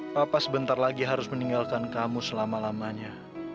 papa sebentar lagi harus meninggalkan kamu selama lamanya